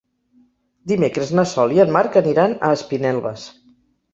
Dimecres na Sol i en Marc aniran a Espinelves.